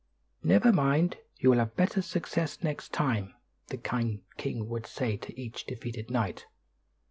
"Never mind; you will have better success next time," the kind king would say to each defeated knight.